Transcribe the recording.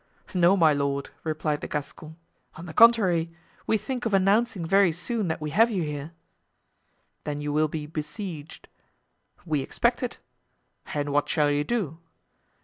"No, my lord," replied the Gascon; "on the contrary, we think of announcing very soon that we have you here." "Then you will be besieged." "We expect it." "And what shall you do?"